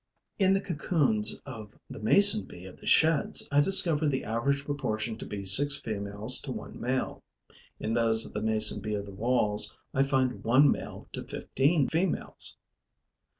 In the cocoons of the Mason bee of the Sheds, I discover the average proportion to be six females to one male; in those of the Mason bee of the Walls, I find one male to fifteen females.